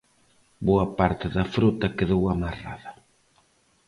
Boa parte da frota quedou amarrada.